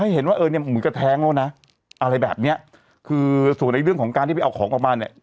เหมือนกระแทงแล้วนะอะไรแบบเนี้ยคือส่วนในเรื่องของการที่ไปเอาของออกมาเนี้ย